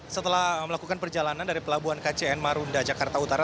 setelah melakukan perjalanan dari pelabuhan kcn marunda jakarta utara